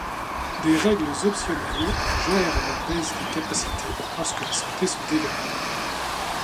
Des règles optionnelles gèrent la baisse des capacités lorsque la santé se dégrade.